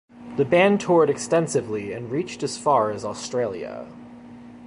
The band toured extensively and reached as far as Australia.